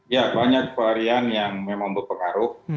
ya banyak varian yang memang berpengaruh